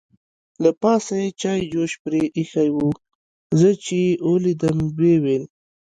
له پاسه یې چای جوش پرې اېښې وه، زه چې یې ولیدم ویې ویل.